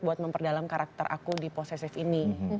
buat memperdalam karakter aku di posesif ini